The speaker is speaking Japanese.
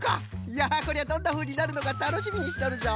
いやこりゃどんなふうになるのかたのしみにしとるぞ。